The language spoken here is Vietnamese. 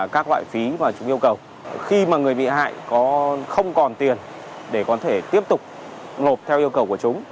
các loại phí mà chúng yêu cầu khi mà người bị hại không còn tiền để có thể tiếp tục nộp theo yêu cầu của chúng